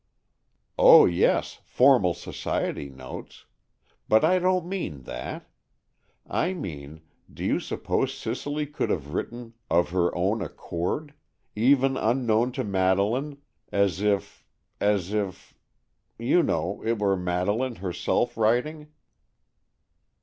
"Oh, yes; formal society notes. But I don't mean that. I mean, do you suppose Cicely could have written of her own accord—even unknown to Madeleine—as if—as if, you know, it were Madeleine herself writing?"